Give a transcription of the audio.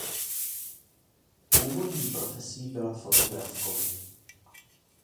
Původní profesí byla fotografkou.